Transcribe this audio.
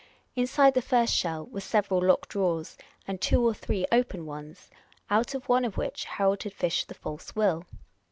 Inside the first shell were several locked drawers, and two or three open ones, out of one of which Harold had fished the false will.